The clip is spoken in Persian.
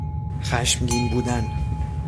خشمگین بودن